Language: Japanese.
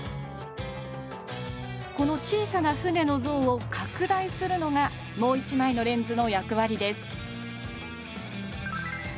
この小さな船の像を拡大するのがもう一枚のレンズの役割です